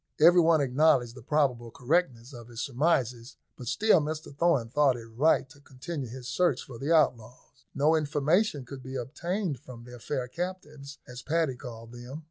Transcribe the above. Every one acknowledged the probable correctness of his surmises, but still Mr Thorn thought it right to continue his search for the outlaws. No information could be obtained from their fair captives, as Paddy called them.